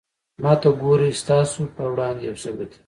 ما ته گورې ستاسو وړاندې يو ثبوت يم